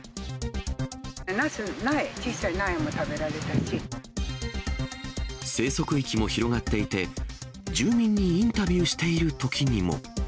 ナスの苗、生息域も広がっていて、住民にインタビューしているときにも。